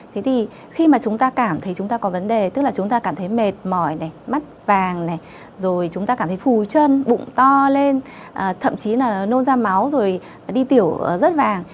thế thì khi mà chúng ta cảm thấy chúng ta có vấn đề tức là chúng ta cảm thấy mệt mỏi này mắt vàng này rồi chúng ta cảm thấy phù chân bụng to lên thậm chí là nôn ra máu rồi đi tiểu rất vàng